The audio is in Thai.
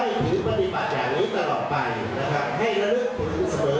ครูก็คือคนที่รักเราที่ผัวใจนะครับ